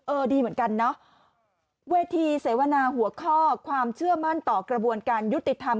ดีเหมือนกันเนอะเวทีเสวนาหัวข้อความเชื่อมั่นต่อกระบวนการยุติธรรม